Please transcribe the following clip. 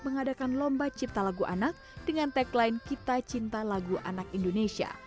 mengadakan lomba cipta lagu anak dengan tagline kita cinta lagu anak indonesia